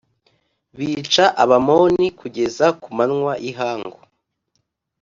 bica Abamoni kugeza ku manywa y ihangu